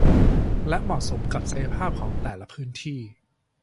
และเหมาะสมกับศักยภาพของแต่ละพื้นที่